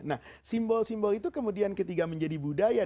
nah simbol simbol itu kemudian ketika menjadi budaya